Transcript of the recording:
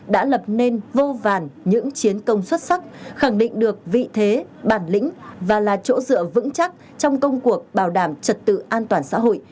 cảnh sát nhân dân đã đạt được những chiến công xuất sắc khẳng định được vị thế bản lĩnh và là chỗ dựa vững chắc trong công cuộc bảo đảm trật tự an toàn xã hội